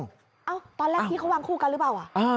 ตอนแรกที่เขาวางคู่กันหรือเปล่า